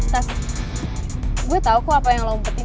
tas gue tau kok apa yang lo umpetin